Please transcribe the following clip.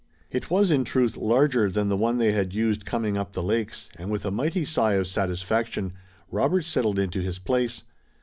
It was, in truth, larger than the one they had used coming up the lakes, and, with a mighty sigh of satisfaction, Robert settled into his place.